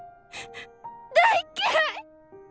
大っ嫌い！